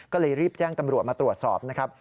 ก็เลยรีบแจ้งตำรวจมาตรวจสอบนะครับ